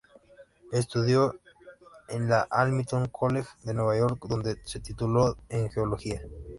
Estudió en la Hamilton College de Nueva York, donde se tituló en Geología.